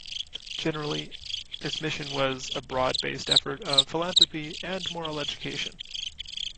Generally, its mission was a broad based effort of philanthropy and moral education.